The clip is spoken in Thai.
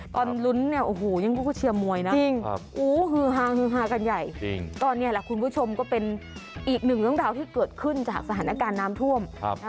ตอนลุ้นเนี่ยโอ้โหยังก็เชียรมวยนะหือฮากันใหญ่ตอนนี้แหละคุณผู้ชมก็เป็นอีก๑รองเท้าที่เกิดขึ้นจากสถานการณ์น้ำท่วม